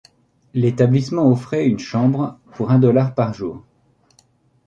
L'établissement offrait une chambre pour un dollar par jour.